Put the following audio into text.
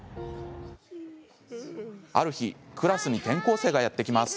ある日クラスに転校生がやって来ます。